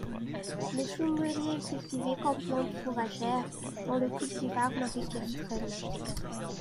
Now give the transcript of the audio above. Le chou moëllier est cultivé comme plante fourragère, dont le cultivar Maris-Kestrel.